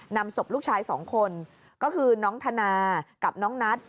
นำศพลูกชาย๒คนก็คือน้องธนากับน้องนัท